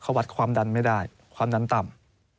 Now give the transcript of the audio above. เขาวัดความดันไม่ได้ความดันต่ำ